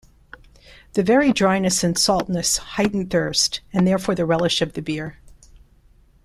The very dryness and saltness heighten thirst, and therefore the relish of the beer.